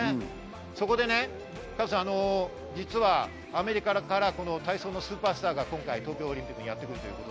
そこでね、加藤さん、アメリカから体操のスーパースターが今回、東京オリンピックにやってくる。